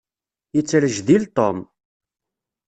Yettrejdil Tom.